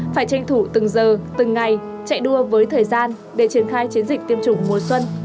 phải tranh thủ từng giờ từng ngày chạy đua với thời gian để triển khai chiến dịch tiêm chủng mùa xuân